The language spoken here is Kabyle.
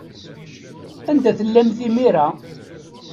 Anda tellamt imir-a?